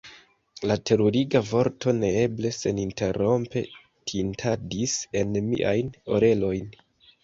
La teruriga vorto "neeble!" seninterrompe tintadis en miajn orelojn.